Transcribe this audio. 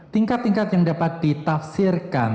tingkat tingkat yang dapat ditafsirkan